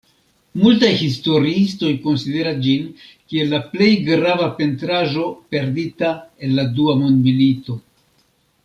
Multaj historiistoj konsideras ĝin kiel la plej grava pentraĵo perdita el la Dua Mondmilito.